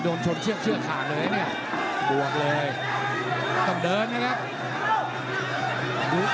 โดนชนเชือกเชือกขาดเลยนะเนี่ยบวกเลยต้องเดินนะครับ